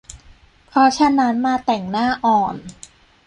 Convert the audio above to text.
เพราะฉะนั้นมาแต่งหน้าอ่อน